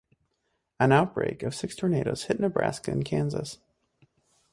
An outbreak of six tornadoes hit Nebraska and Kansas.